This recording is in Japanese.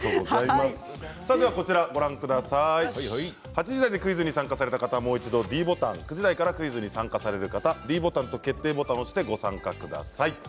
８時台でクイズに参加された方はもう一度ｄボタン９時台からクイズに参加される方はｄボタンと決定ボタンを押してご参加ください。